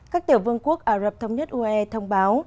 các tiểu vương quốc ả rập thống nhất uae thông báo